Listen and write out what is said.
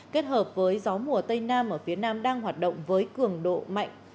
kết hợp với gió mùa tây nam ở phía nam đang hoạt động với cường độ mạnh